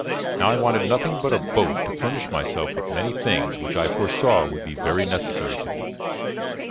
Now I wanted nothing but a boat to furnish myself with many things which I foresaw would be very necessary to me.